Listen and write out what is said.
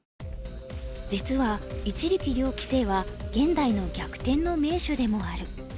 実は一力遼棋聖は現代の逆転の名手でもある。